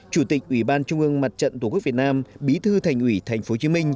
chủ tịch ủy ban trung ương mặt trận tổ quốc việt nam bí thư thành ủy tp hcm